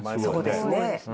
そうですね。